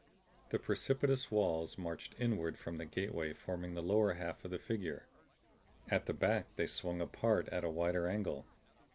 The precipitous walls marched inward from the gateway forming the lower half of the figure; at the back they swung apart at a wider angle.